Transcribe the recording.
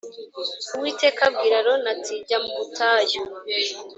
Uwiteka abwira Aroni ati Jya mu butayu.